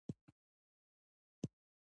د پنجشیر په شتل کې د مرمرو نښې شته.